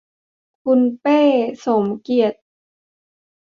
คุณเป้ สมเกียรติ